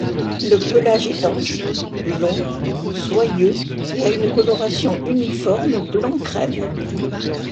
Le pelage est dense, long, soyeux et a une coloration uniforme blanc crème.